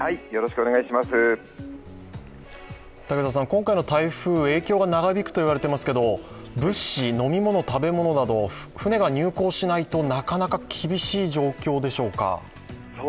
今回の台風、影響が長引くといわれていますけど、物資、飲み物、食べ物など船が入港しないとなかなか厳しい状況でしょうか。